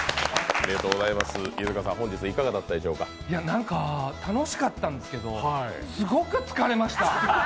なんか、楽しかったんですけどすごく疲れました。